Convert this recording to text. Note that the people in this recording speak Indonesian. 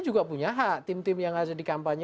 juga punya hak tim tim yang ada di kampanye